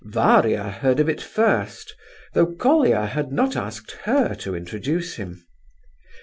Varia heard of it first, though Colia had not asked her to introduce him.